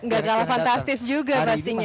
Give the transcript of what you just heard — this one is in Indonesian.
gak kalah fantastis juga pastinya